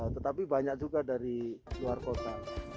tetapi banyak juga dari luar kota